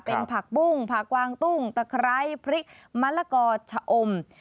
เป็นผักบุ้งผักกวางตุ้งตะไคร้พริกมะละกอชะอม